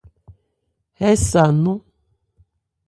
Ɛ́ sa nnɔn.